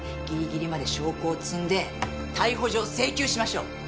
ギリギリまで証拠を積んで逮捕状請求しましょう。